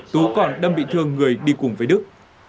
tú còn đâm bị thương người đi cùng với đức